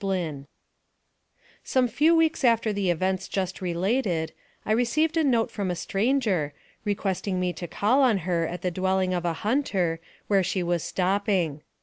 BLYNN SOME few weeks after the events just related, I re ceived a note from a stranger, requesting me to call on her at the dwelling of a hunter, where she was stopping.